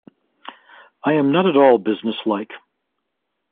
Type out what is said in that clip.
I am not at all business-like.